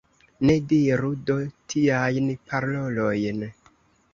Ne diru do tiajn parolojn!